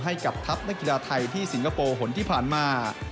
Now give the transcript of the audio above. ให้กับทัพนักกีฬาไทยที่สิงคโปร์ผลที่ผ่านมา